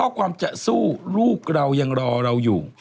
ความจะสู้ลูกเรายังรอเราอยู่